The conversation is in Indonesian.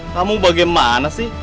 kamu bagaimana sih